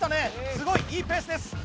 すごいいいペースです